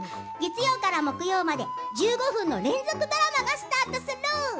月曜から木曜まで１５分の連続ドラマがスタートする。